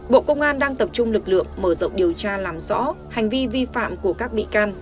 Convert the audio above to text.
bộ công an đang tập trung lực lượng mở rộng điều tra làm rõ hành vi vi phạm của các bị can